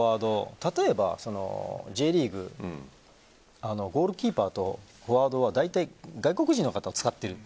例えばＪリーグでゴールキーパーとフォワードは大体外国人の方を使っている。